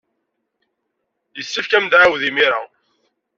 Yessefk ad am-d-tɛawed imir-a.